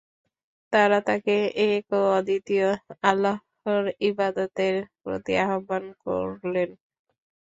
তারা তাকে এক ও অদ্বিতীয় আল্লাহর ইবাদতের প্রতি আহ্বান করলেন।